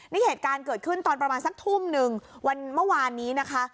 นี่เหตุการณ์เกิดขึ้นตอนประมาณสักทุ่มหนึ่งวันเมื่อวานนี้นะคะ